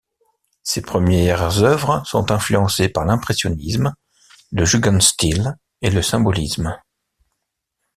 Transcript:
Ses premières œuvres sont influencées par l'Impressionnisme, le Jugendstil et le Symbolisme.